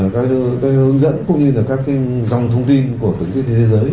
các cái hướng dẫn cũng như là các cái dòng thông tin của tổ chức y tế thế giới